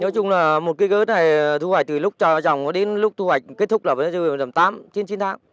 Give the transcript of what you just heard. nói chung là một cây ớt này thu hoạch từ lúc trồng đến lúc thu hoạch kết thúc là tám chín tháng